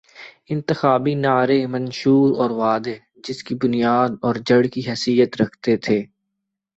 انتخابی نعرے، منشور اور وعدے، جس کی بنیاداور جڑ کی حیثیت رکھتے تھے۔